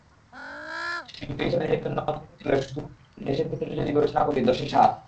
শিল্পী হিসেবে নিজেকে নম্বর দিতে হলেশুধু দেশের ভেতর যদি বিবেচনা করি, দশে সাত।